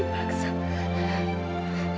pasti dia dipaksa